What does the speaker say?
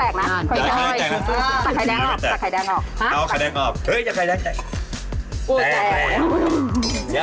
เอานมแล้วน่ะ